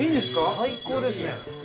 最高ですね。